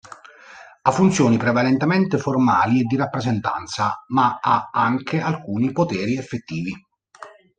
Ha funzioni prevalentemente formali e di rappresentanza, ma ha anche alcuni poteri effettivi.